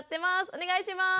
お願いします。